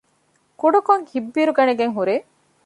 ކުޑަކޮށް ހިތްބިރުގަނެގެން ހުރޭ